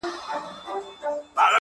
څه باندي پنځوس کاله به کیږي -